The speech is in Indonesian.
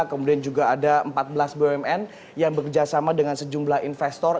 kemudian juga ada empat belas bumn yang bekerjasama dengan sejumlah investor